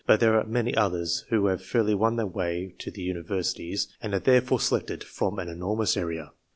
But there are many others who have fairly won their way to the Universities, and are therefore selected from an enormous area.